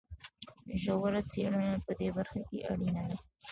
ژوره څېړنه په دې برخه کې اړینه ده.